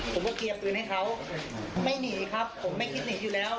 ผมก็เคลียร์ปืนให้เขาไม่หนีครับผมไม่คิดหนีอยู่แล้ว